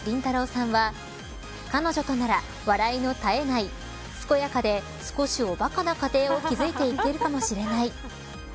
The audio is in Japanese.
さんは彼女となら笑いの絶えない健やかで、少しおバカな家庭を築いていけるかもしれない。